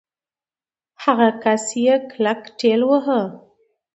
هغه کس يې کلک ټېلوهه.